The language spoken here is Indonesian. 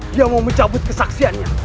dia mau mencabut kesaksiannya